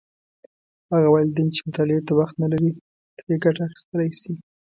هغه والدین چې مطالعې ته وخت نه لري، ترې ګټه اخیستلی شي.